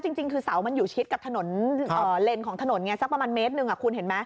ถ้าจริงคือเสาอยู่ชิดกับเลนของถนนสักประมาณเมตรหนึ่งคุณเห็นไหม